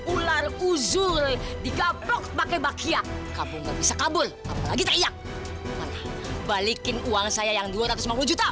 ular uzul digapok pakai bakya kamu bisa kabul lagi balikin uang saya yang dua ratus lima puluh juta